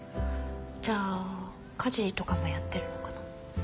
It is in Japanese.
じゃあ家事とかもやってるのかな？